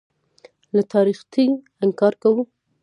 له تاریخیته انکار وکوو.